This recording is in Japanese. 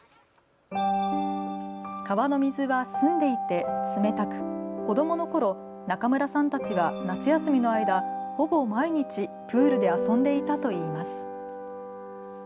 川の水は澄んでいて冷たく子どものころ、中村さんたちは夏休みの間、ほぼ毎日プールで遊んでいたといいます。